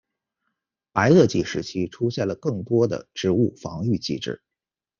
白垩纪时期出现了更多的植物防御机制。